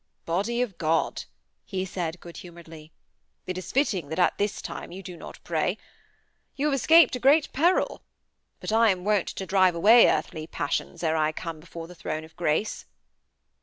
'Body of God,' he said good humouredly. 'It is fitting that at this time that you do pray. You have escaped a great peril. But I am wont to drive away earthly passions ere I come before the Throne of grace.'